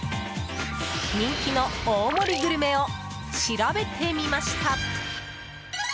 人気の大盛りグルメを調べてみました。